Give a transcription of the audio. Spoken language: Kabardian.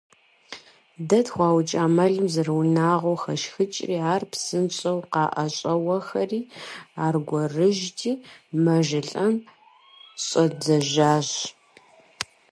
Дэ тхуаукӀа мэлым зэрыунагъуэу хэшхыкӀри, ар псынщӀэу къаӀэщӀэухэри, аргуэрыжьти, мэжэлӀэн щӀэддзэжащ.